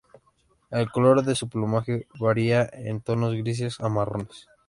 El color de su plumaje varía en tonos grises a marrones.